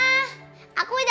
aku udah pulang nih